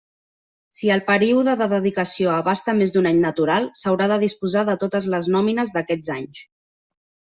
Si el període de dedicació abasta més d'un any natural, s'haurà de disposar de totes les nòmines d'aquests anys.